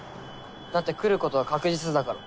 だって来ることは確実だから。